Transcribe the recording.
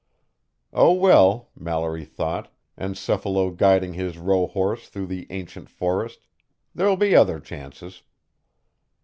Oh well, Mallory thought, encephalo guiding his rohorse through the ancient forest, there'll be other chances.